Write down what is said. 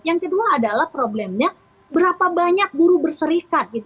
yang kedua adalah problemnya berapa banyak buruh berserikat